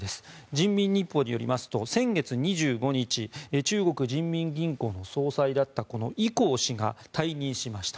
人民日報によりますと先月２５日中国人民銀行の総裁だったイ・コウ氏が退任しました。